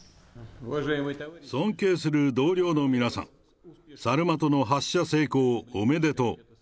尊敬する同僚の皆さん、サルマトの発射成功おめでとう。